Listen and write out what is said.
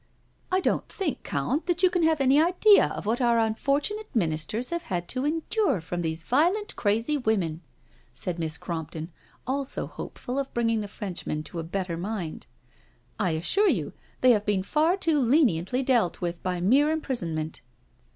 " I don't think, Count, that you can have any idea of what our unfortunate Ministers have had to endure from these violent, crazy women," said Miss Cromp ton, also hopeful of bringing the Frenchman to a better mind. " I assure you, they have been far too leniently dealt with by mere imprisonment."